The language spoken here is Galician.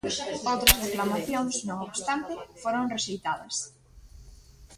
Outras reclamacións, non obstante, foron rexeitadas.